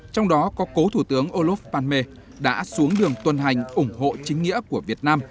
trong đó có cố thủ tướng olof palme đã xuống đường tuần hành ủng hộ chính nghĩa của việt nam